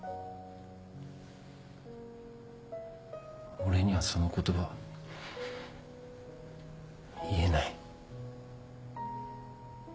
俺にはその言葉言えない。